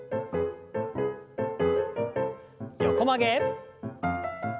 横曲げ。